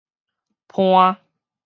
藩